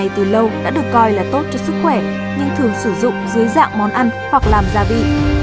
từ lâu đã được coi là tốt cho sức khỏe nhưng thường sử dụng dưới dạng món ăn hoặc làm gia vị